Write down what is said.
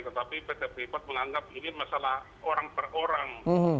tetapi pt freeport menganggap ini masalah orang per orang